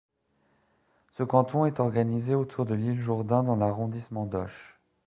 Ce canton est organisé autour de L'Isle-Jourdain dans l'arrondissement d'Auch.